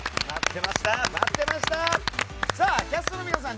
キャストの皆さん